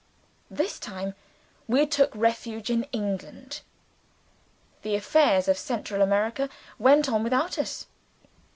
This time, we took refuge in England. The affairs of Central America went on without us.